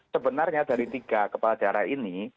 sebenarnya dari tiga kepala daerah ini